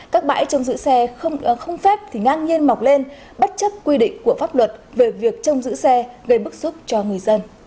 các bãi trong giữ xe không phép thì ngang nhiên mọc lên bất chấp quy định của pháp luật về việc trông giữ xe gây bức xúc cho người dân